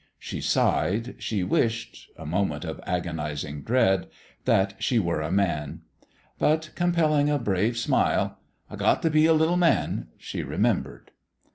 She sighed ; she wished a moment of agonizing dread that she were a man. But, compelling a brave smile " I got t' be a little man," she remembered.